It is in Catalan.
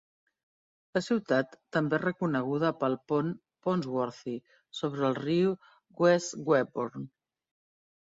La ciutat també és reconeguda pel pont Ponsworthy sobre el riu West Webburn.